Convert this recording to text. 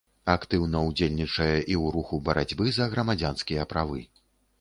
Актыўна ўдзельнічае і ў руху барацьбы за грамадзянскія правы.